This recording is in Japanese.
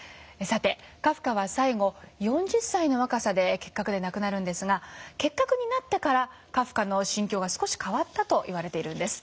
さてカフカは最後４０歳の若さで結核で亡くなるんですが結核になってからカフカの心境が少し変わったと言われています。